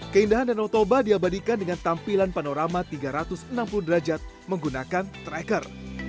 keindahan danau toba diabadikan dengan tampilan panorama tiga ratus enam puluh derajat menggunakan tracker